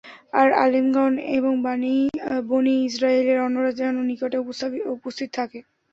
আর আলিমগণ এবং বনী ইসরাঈলের অন্যরা যেন নিকটে উপস্থিত থাকে।